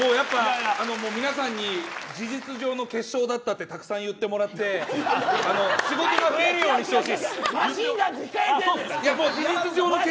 皆さんに事実上の決勝だったとたくさん言ってもらって仕事が増えるようにしてほしいです。